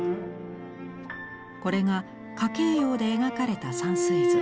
これが夏珪様で描かれた山水図。